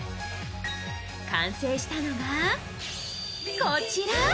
完成したのが、こちら！